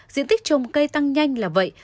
diện tích trồng cây tăng nhanh là vậy